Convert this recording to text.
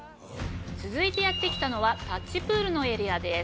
続いてやって来たのは「タッチプール」のエリアです。